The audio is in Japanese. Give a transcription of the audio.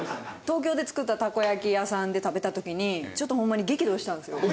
東京で作ったたこ焼き屋さんで食べた時にホンマに激怒したんですよ。